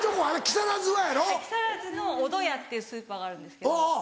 木更津のおどやっていうスーパーがあるんですけど。